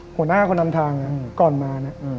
หัวหน้าคนนำทางก่อนมานะ